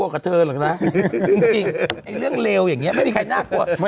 เรื่องเร็วอย่างนี้ไม่มีใครน่าควร